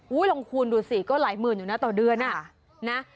ลองคูณดูสิก็หลายหมื่นอยู่นะต่อเดือนอ่ะนะ